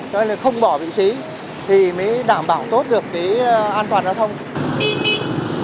cho nên là không bỏ vị trí thì mới đảm bảo tốt được cái an toàn giao thông